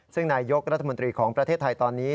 ซึ่งนายยกรัฐมนตรีของประเทศไทยตอนนี้